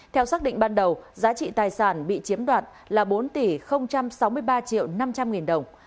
theo xác định ban đầu giá trị tài sản bị chiếm đoạt là bốn tỷ sáu mươi ba triệu năm trăm linh nghìn đồng